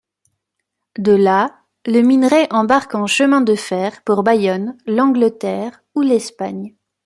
De là le minerai embarque en chemin de fer pour Bayonne, l’Angleterre ou l’Espagne.